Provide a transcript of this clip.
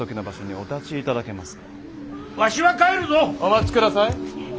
お待ちください。